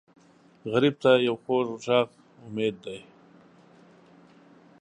غریب ته یو خوږ غږ امید دی